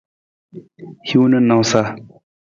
Hiwung na nawusa.